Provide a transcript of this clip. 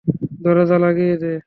দরজা লাগিয়ে দে।